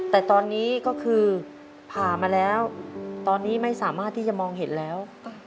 แต่ตอนนี้ก็คือผ่ามาแล้วตอนนี้ไม่สามารถที่จะมองเห็นแล้ว